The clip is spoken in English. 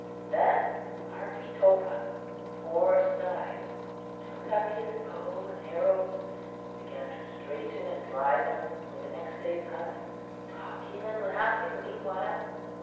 "Then Marpeetopah (Four skies) took up his bow and arrows and began to straighten and dry them for the next day's hunt, talking and laughing meanwhile.